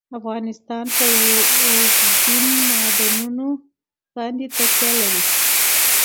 افغانستان په اوبزین معدنونه باندې تکیه لري.